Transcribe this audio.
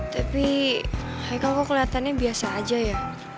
tapi haikal kok keliatannya biasa aja ya